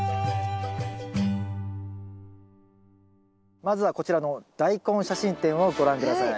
まずはこちらのダイコン写真展をご覧下さい。